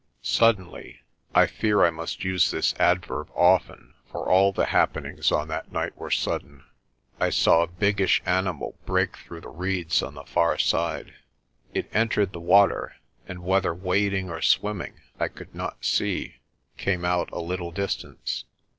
Suddenly I fear I must use this adverb often for all the happenings on that night were sudden I saw a biggish 172 PRESTER JOHN animal break through the reeds on the far side. It entered the water and, whether wading or swimming I could not see, came out a little distance.